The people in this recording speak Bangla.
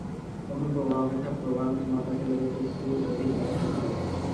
তখন প্রভা অপেক্ষা প্রভার মাতাকে লইয়া কিছু অধিক ব্যস্ত ছিলাম।